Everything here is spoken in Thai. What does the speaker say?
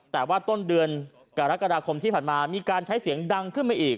แต่ว่าต้นเดือนกรกฎาคมที่ผ่านมามีการใช้เสียงดังขึ้นมาอีก